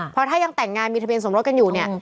เพราะถ้ายังแต่งงานมีทะเบียนสมรสกันอยู่เนี่ย